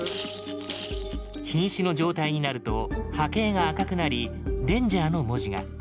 瀕死の状態になると波形が赤くなり「Ｄａｎｇｅｒ！」の文字が。